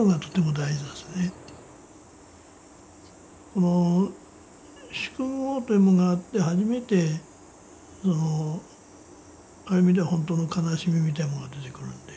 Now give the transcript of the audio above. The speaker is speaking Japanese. この宿業というもんがあって初めてある意味では本当の悲しみみたいもんが出てくるんで。